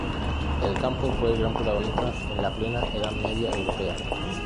El campo fue el gran protagonista en la Plena Edad Media europea.